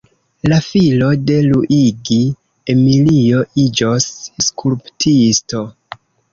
La filo de Luigi, Emilio, iĝos skulptisto.